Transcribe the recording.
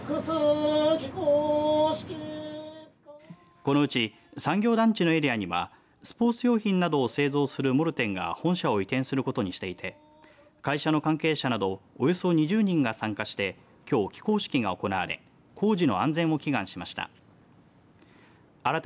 このうち産業団地のエリアにはスポーツ用品などを製造するモルテンが本社を移転することにしていて会社の関係者などおよそ２０人が参加してきょう起工式が行われ工事の安全を祈願しました。